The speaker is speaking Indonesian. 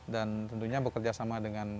dan tentunya bekerjasama dengan